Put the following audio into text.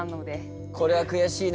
これはくやしいな。